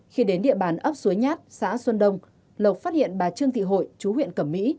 khi đến địa bàn ấp suối nhát xã xuân đông lộc phát hiện bà trương thị hội chú huyện cẩm mỹ